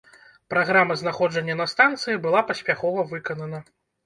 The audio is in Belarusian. Праграма знаходжання на станцыі была паспяхова выканана.